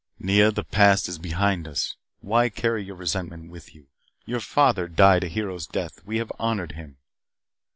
"Nea, the past is behind us. Why carry your resentment with you? Your father died a hero's death. We have honored him."